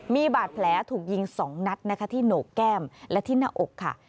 มีบาดแผลถูกยิง๒นัดนะคะที่โหนกแก้มและที่หน้าอกค่ะ